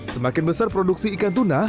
semakin besar produksi ikan tuna